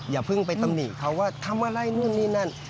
อย่าเพิ่งไปตำหนิเขาว่าทำอะไรนู่นนี่นั่น